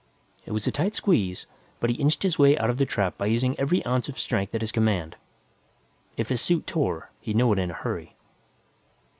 It was a tight squeeze, but he inched his way out of the trap by using every ounce of strength at his command. If his suit tore, he'd know it in a hurry.